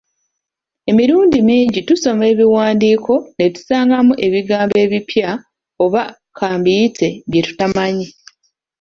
Emirundi mingi tusoma ebiwandiiko ne tusangamu ebigambo ebipya oba ka mbiyite bye tutamanyi.